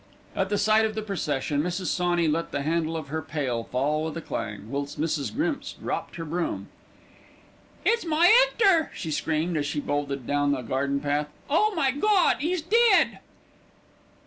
At the sight of the procession, Mrs. Sawney let the handle of her pail fall with a clang, whilst Mrs. Grimps dropped her broom. "It's my 'Ector," she screamed, as she bolted down the garden path. "Oh, my God! 'e's dead."